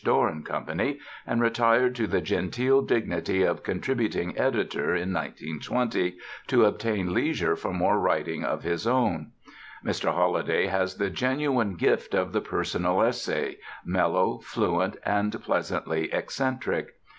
Doran Company, and retired to the genteel dignity of "contributing editor" in 1920, to obtain leisure for more writing of his own. Mr. Holliday has the genuine gift of the personal essay, mellow, fluent, and pleasantly eccentric.